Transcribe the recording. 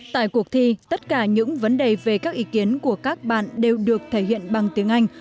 tại cuộc thi tất cả những vấn đề về các ý kiến của các bạn đều được thể hiện bằng tiếng anh